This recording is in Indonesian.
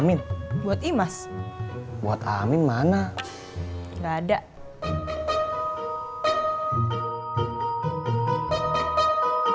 neng udah tahu jawabannya dulu ya